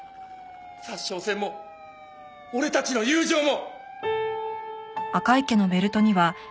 札沼線も俺たちの友情も！